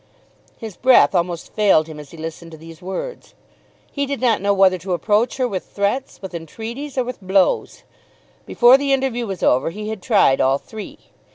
His breath almost failed him as he listened to these words. He did not know whether to approach her with threats, with entreaties, or with blows. Before the interview was over he had tried all three.